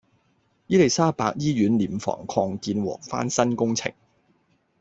伊利沙伯醫院殮房擴建和翻新工程